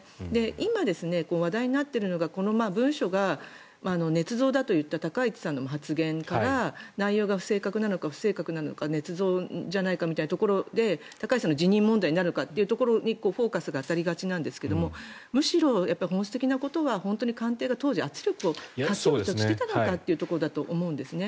今、話題になっているのがこの文書がねつ造だといった高市さんの発言が内容が正確なのか、不正確なのかねつ造じゃないかみたいなところで高市さんの辞任問題になるのかというところにフォーカスが当たりがちですが本質的なところは本当に官邸が当時圧力をかけようとしていたのかということだと思うんですね。